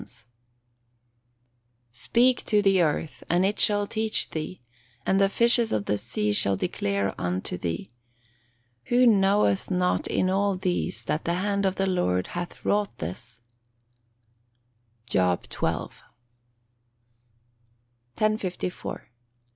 [Verse: "Speak to the earth, and it shall teach thee; and the fishes of the sea shall declare unto thee. Who knoweth not in all these that the hand of the Lord hath wrought this." JOB XII.] 1054.